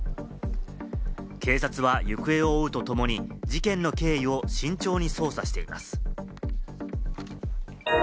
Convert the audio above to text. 警察は行方を追うとともに、事件の経緯を慎重に捜査しています。